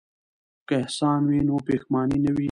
که احسان وي نو پښیماني نه وي.